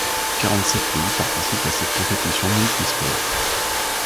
Quarante-sept pays participent à cette compétition multisports.